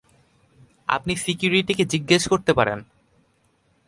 আপনি সিকিউরিটিকে জিজ্ঞেস করতে পারেন।